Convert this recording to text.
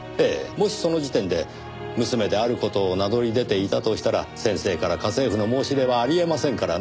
もしその時点で娘である事を名乗り出ていたとしたら先生から家政婦の申し出はありえませんからねえ。